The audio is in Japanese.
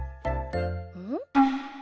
うん？